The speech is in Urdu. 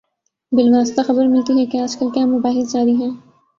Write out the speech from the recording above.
بالواسطہ خبر ملتی ہے کہ آج کل کیا مباحث جاری ہیں۔